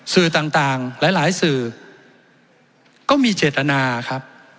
สื่อต่างหลายสื่อก็มีเจตนาครับ